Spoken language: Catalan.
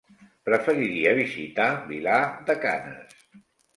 Preferiria visitar Vilar de Canes.